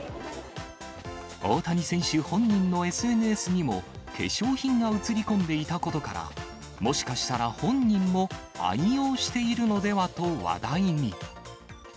大谷選手本人のＳＮＳにも、化粧品が映り込んでいたことから、もしかしたら本人も愛用しているのではと話題に。